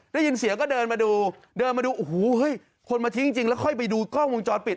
ได้ยินเสียงก็เดินมาดูคนมาทิ้งจริงแล้วค่อยไปดูกล้องวงจรปิด